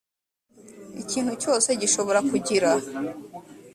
ikintu cyose gishobora kugira